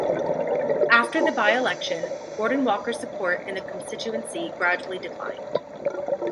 After the by-election, Gordon Walker's support in the constituency gradually declined.